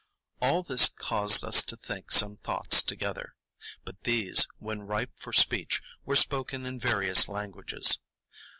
All this caused us to think some thoughts together; but these, when ripe for speech, were spoken in various languages.